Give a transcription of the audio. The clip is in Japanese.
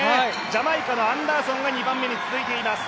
ジャマイカのアンダーソンが２番目に続いています。